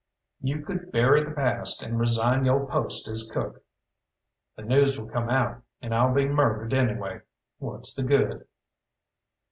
You could bury the past, and resign yo' post as cook." "The news will come out, and I'll be murdered anyway. What's the good?"